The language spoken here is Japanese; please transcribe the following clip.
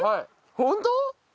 ホント？